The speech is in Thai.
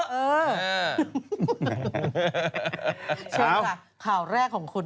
เชิญค่ะข่าวแรกของคุณ